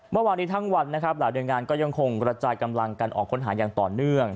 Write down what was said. เมื่อวานนี้ทั้งวันนะครับหลายหน่วยงานก็ยังคงกระจายกำลังกันออกค้นหาอย่างต่อเนื่อง